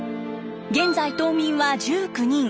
現在島民は１９人。